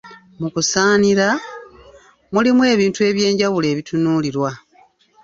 Mu kusaanira, mulimu ebintu eby’enjawulo ebitunuulirwa.